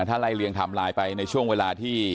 ถ้าไล่เลียงไทม์ไลน์ไปในช่วงเวลาที่